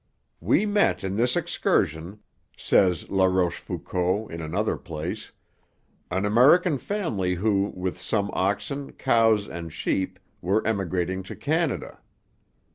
'We met in this excursion,' says La Rochefoucauld in another place, 'an American family who, with some oxen, cows, and sheep, were emigrating to Canada.